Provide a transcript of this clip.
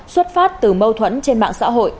xuất phát từ mâu thuẫn trên mạng xã hội